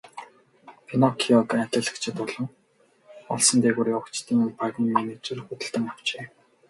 Пиноккиог алиалагчид болон олсон дээгүүр явагчдын багийн менежер худалдан авчээ.